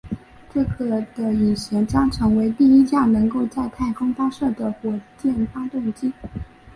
这个的引擎将成为第一架能够在太空发射的火箭发动机。